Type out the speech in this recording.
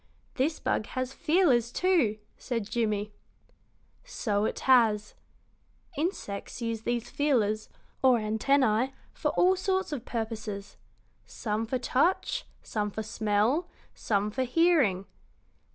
"This bug has feelers, too," said Jimmie. "So it has. Insects use these feelers, or antennæ, for all sorts of purposes some for touch, some for smell, some for hearing.